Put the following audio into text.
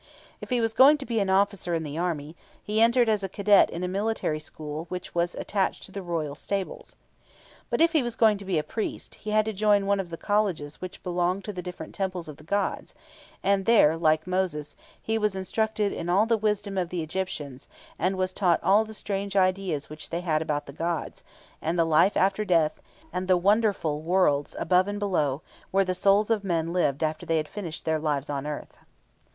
If he was going to be an officer in the army, he entered as a cadet in a military school which was attached to the royal stables. But if he was going to be a priest, he had to join one of the colleges which belonged to the different temples of the gods, and there, like Moses, he was instructed in all the wisdom of the Egyptians, and was taught all the strange ideas which they had about the gods, and the life after death, and the wonderful worlds, above and below, where the souls of men lived after they had finished their lives on earth.